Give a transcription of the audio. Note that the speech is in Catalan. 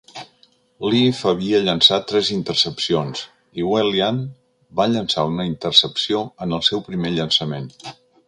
Leaf havia llançat tres intercepcions i Whelihan va llançar una intercepció en el seu primer llançament.